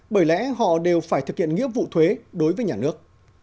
bởi lẽ họ đều phải thực hiện nghĩa vụ thuế đối với nhà nước